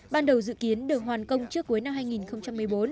ban đầu dự kiến được hoàn công trước cuối năm hai nghìn một mươi bốn